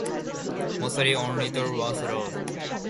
Mostly on Littleworth Road.